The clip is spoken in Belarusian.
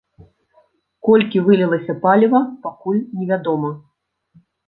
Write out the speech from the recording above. Колькі вылілася паліва, пакуль невядома.